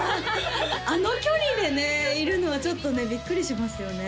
あの距離でねいるのはちょっとねビックリしますよね